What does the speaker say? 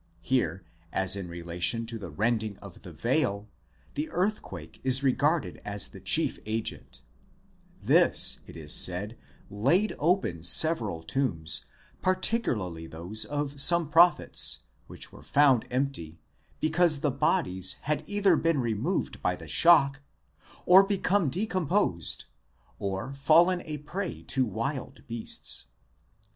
Here, as in relation to the rending of the veil, the earthquake is regarded as the chief agent; this, it is said, laid open several tombs, particularly those of some prophets, which were found empty, because the bodies had either been removed by the shock, or become decomposed, or fallen a prey to wild beasts.